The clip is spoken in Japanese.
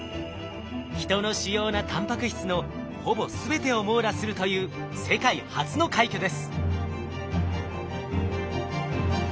人の主要なタンパク質のほぼ全てを網羅するという世界初の快挙です。